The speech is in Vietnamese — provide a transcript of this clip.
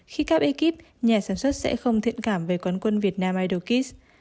khi các ekip nhà sản xuất sẽ không thiện cảm về quán quân việt nam idol kids